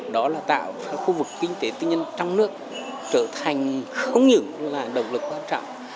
đó là tạo cho khu vực kinh tế tư nhân trong nước trở thành không những là động lực quan trọng